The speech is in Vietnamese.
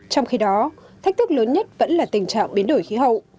trong khi đó thách thức lớn nhất vẫn là tình trạng biến đổi khí hậu